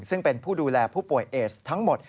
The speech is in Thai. ซึ่งเป็นผู้ดูแลผู้ป่วยเอสทั้งหมด